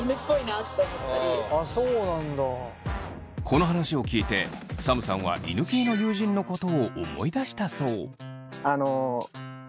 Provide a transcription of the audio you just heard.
この話を聞いてサムさんは犬系の友人のことを思い出したそう。